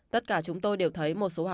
tất cả chúng tôi đều thấy một số hàng hóa